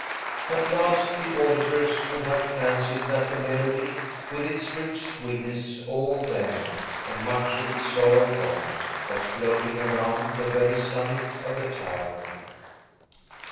At last, the auditors would have fancied that the melody, with its rich sweetness all there, and much of its sorrow gone, was floating around the very summit of the tower.